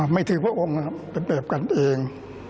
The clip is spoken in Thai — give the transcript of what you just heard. ไม่ถือพระองค์นะครับเป็นแบบกันเอง